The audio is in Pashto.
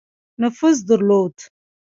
نفوذ درلود.